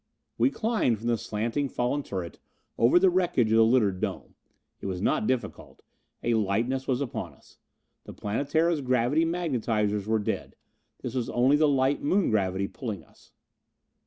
We climbed from the slanting, fallen turret, over the wreckage of the littered deck. It was not difficult, a lightness was upon us. The Planetara's gravity magnetizers were dead: this was only the light Moon gravity pulling us.